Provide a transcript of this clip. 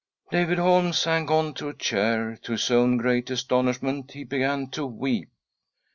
David Holm sank on to a chair, and, to his own great astonishment, he began to weep.